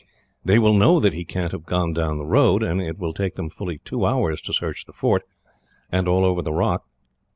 They will know that he can't have gone down the road, and it will take them fully two hours to search the fort, and all over the rock.